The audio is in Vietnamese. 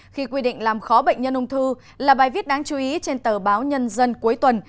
khi quy định làm khó bệnh nhân ung thư là bài viết đáng chú ý trên tờ báo nhân dân cuối tuần